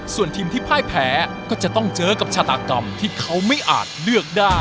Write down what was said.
ส่วนทีมที่พ่ายแพ้ก็จะต้องเจอกับชาตากรรมที่เขาไม่อาจเลือกได้